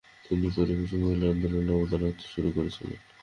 তিনি পেরুভীয় মহিলা আন্দোলনে অবদান রাখতে শুরু করেছিলেন।